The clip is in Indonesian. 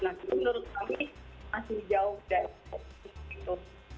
nah ini menurut kami masih jauh dari situ